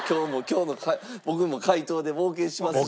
今日の僕も解答で冒険しますし。